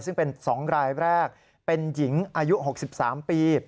ซึ่งเป็น๒รายแรกเป็นหญิงอายุ๖๓ปี